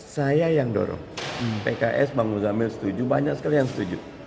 saya yang dorong pks bang muzamil setuju banyak sekali yang setuju